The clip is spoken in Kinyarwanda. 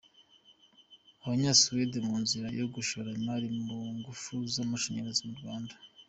Abanyasuwedi mu nzira yo gushora imari mu ngufu z’amashanyarazi mu Rwanda